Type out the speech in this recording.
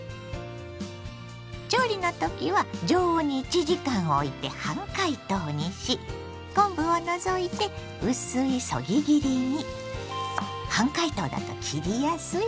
調理の時は常温に１時間おいて半解凍にし昆布を除いて薄いそぎ切りに。